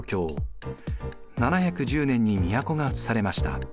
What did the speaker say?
７１０年に都がうつされました。